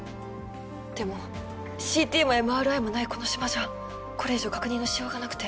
でもＣＴもＭＲＩもないこの島じゃこれ以上確認のしようがなくて。